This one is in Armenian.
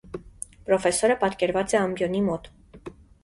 Պրոֆեսորը պատկերված է ամբիոնի մոտ։